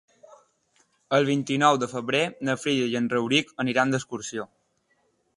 El vint-i-nou de febrer na Frida i en Rauric aniran d'excursió.